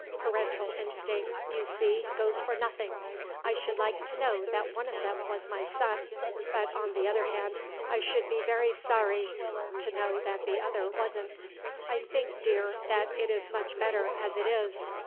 Parental instinct, you see, goes for nothing. I should like to know that one of them was my son, but on the other hand I should be very sorry to know that the other wasn't. I think, dear, that it is much better as it is.